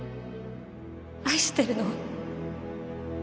愛してるの。